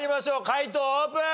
解答オープン！